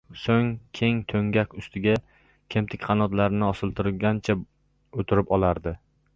So‘ng keng to‘ngak ustiga kemtik qanotlarini osiltirgancha o‘tirib olardi